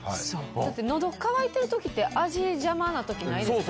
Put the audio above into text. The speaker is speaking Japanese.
だって喉渇いてる時って味邪魔な時ないですか？